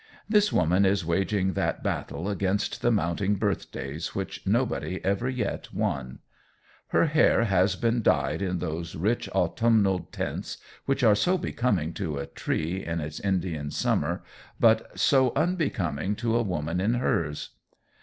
This woman is waging that battle against the mounting birthdays which nobody ever yet won. Her hair has been dyed in those rich autumnal tints which are so becoming to a tree in its Indian summer, but so unbecoming to a woman in hers.